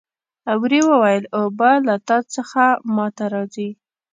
وري وویل اوبه له تا څخه ما ته راځي.